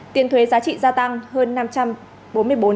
tiền thuế giá trị gia tăng hơn